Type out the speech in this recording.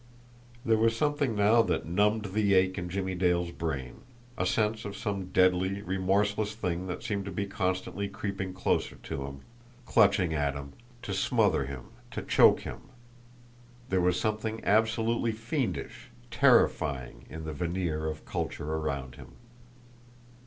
There was something now that numbed the ache in Jimmie Dale's brain a sense of some deadly, remorseless thing that seemed to be constantly creeping closer to him, clutching at him to smother him, to choke him. There was something absolutely fiendish, terrifying, in the veneer of culture around him.